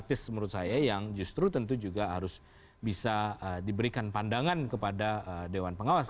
artis menurut saya yang justru tentu juga harus bisa diberikan pandangan kepada dewan pengawas